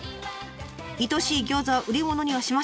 いとしい餃子は売り物にはしません。